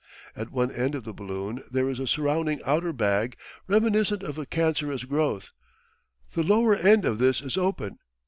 At one end of the balloon there is a surrounding outer bag, reminiscent of a cancerous growth. The lower end of this is open.